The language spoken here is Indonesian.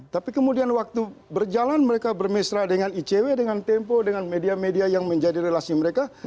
tapi kemudian waktu berjalan mereka bermesra dengan icw dengan tempo dengan media media yang menjadi relasi mereka